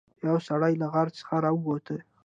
یو سړی له غار څخه راووت.